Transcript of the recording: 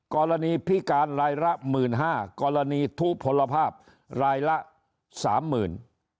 กรณีพิการรายละ๑๕๐๐๐บาทกรณีทูปผลภาพรายละ๓๐๐๐๐บาท